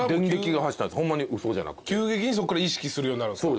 急激にそこから意識するようになるんすか？